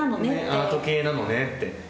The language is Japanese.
アート系なのねって。